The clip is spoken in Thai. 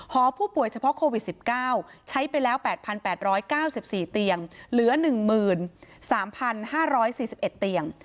หอผู้ป่วยเฉพาะโควิด๑๙ใช้ไปแล้ว๘๘๙๔เตียงเหลือ๑๓๕๔๑เตียง